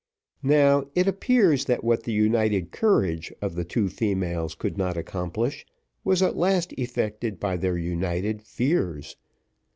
Now, it appears, that what the united courage of the two females could not accomplish, was at last effected by their united fears.